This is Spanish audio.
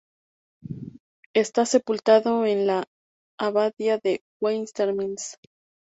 Está sepultado en la Abadía de Westminster.